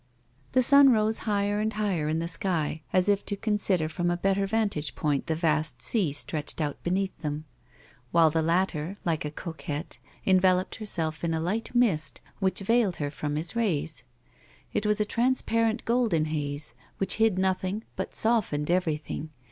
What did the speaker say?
The sun rose higher and higher in the sky as if to consider from a better vantage point the vast sea stretched out beneath him, while the latter, like a coquette, enveloped herself in a light mist which veiled her from his rays. It was a transparent golden haze which hid nothing but softened everything.